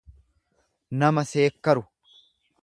nama seekkeru.